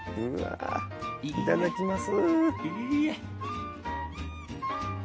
いただきます。